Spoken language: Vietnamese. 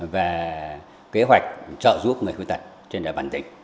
về kế hoạch trợ giúp người khuyên tật trên đại bản tỉnh